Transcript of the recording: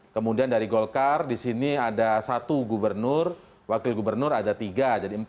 kemudian dari golkar di sini ada satu gubernur wakil gubernur ada tiga jadi empat